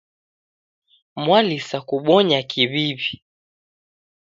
Mwalisa kubonya kiw'iw'i.